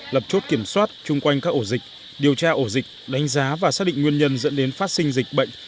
lập chốt kiểm soát chung quanh các ổ dịch điều tra ổ dịch đánh giá và xác định nguyên nhân dẫn đến phát sinh dịch bệnh